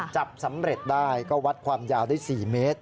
จับสำเร็จได้ก็วัดความยาวได้๔เมตร